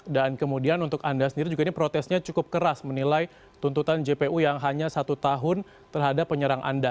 dan kemudian untuk anda sendiri juga ini protesnya cukup keras menilai tuntutan jpu yang hanya satu tahun terhadap penyerang anda